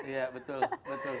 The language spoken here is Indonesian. iya betul betul